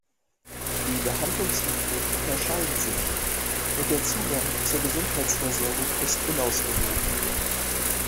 Die Behandlungsmethoden unterscheiden sich, und der Zugang zur Gesundheitsversorgung ist unausgewogen.